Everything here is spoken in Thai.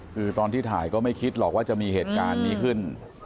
คือตอนที่ถ่ายก็ไม่คิดหรอกว่าจะมีเหตุการณ์นี้ขึ้น